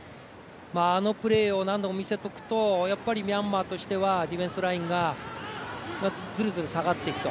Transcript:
あのプレーを何度も見せておくとミャンマーとしてはディフェンスラインがずるずる下がっていくと。